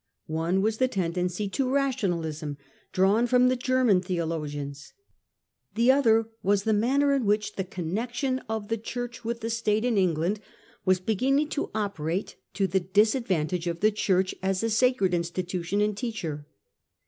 One was the tendency to Rationalism drawn from the German theologians ; the other was the manner in which the connection of the Church with the State in England was beginning to operate to the disadvan tage of the Church as a sacred institution and teacher.